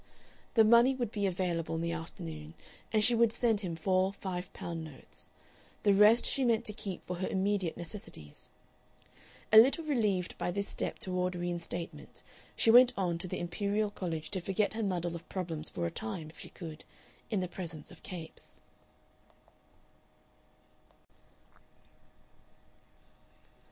The money would be available in the afternoon, and she would send him four five pound notes. The rest she meant to keep for her immediate necessities. A little relieved by this step toward reinstatement, she went on to the Imperial College to forget her muddle of problems for a time, if she could, in the presence of Capes.